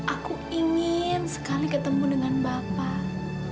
aku ingin sekali ketemu dengan bapak